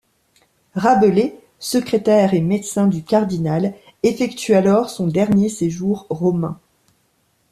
Rabelais, secrétaire et médecin du cardinal, effectue alors son dernier séjour romain.